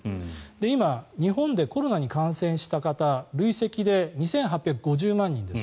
今、日本でコロナに感染した方累積で２８５０万人です。